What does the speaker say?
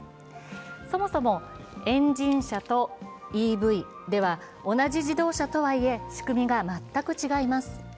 そもそもエンジン車とＥＶでは同じ自動車とはいえ、仕組みが全く違います。